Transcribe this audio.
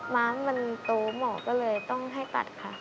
น้ำมันโตหมอก็เลยต้องให้ตัดค่ะ